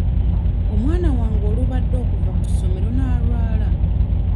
Omwana wange olubadde okuva ku ssomero n'alwala.